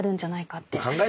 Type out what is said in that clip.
って。